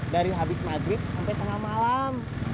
dari habis maghrib sampai tengah malam